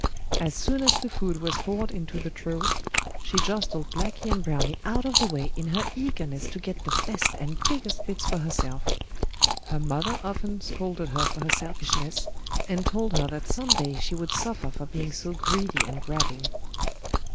As soon as the food was poured into the trough she jostled Blacky and Browny out of the way in her eagerness to get the best and biggest bits for herself. Her mother often scolded her for her selfishness, and told her that some day she would suffer for being so greedy and grabbing.